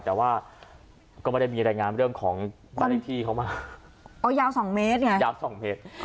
แต่ว่าก็ไม่ได้มีรายงานเรื่องของบ้านเลขที่เขามาอ๋อยาวสองเมตรไงยาวสองเมตร